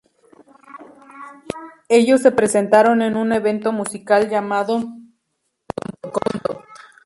Ellos se presentaron en un evento musical llamado "M Countdown".